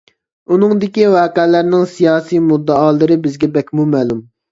ئۇنىڭدىكى ۋەقەلەرنىڭ سىياسىي مۇددىئالىرى بىزگە بەكمۇ مەلۇم.